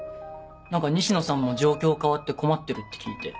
何か西野さんも状況変わって困ってるって聞いて。